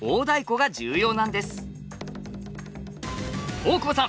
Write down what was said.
大久保さん